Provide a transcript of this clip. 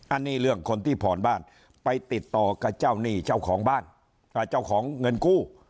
อันนี้เรื่องคนที่ผ่อนบ้านไปติดต่อกับเจ้าหนี้เจ้าของบ้านกับเจ้าของเงินกู้